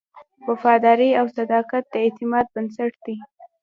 وفاداري او صداقت د اعتماد بنسټ دی.